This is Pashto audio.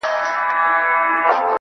په قسمت مي وصال نه وو رسېدلی-